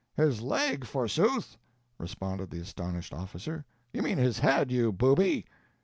"His leg, forsooth?" responded the astonished officer; "you mean his head, you booby."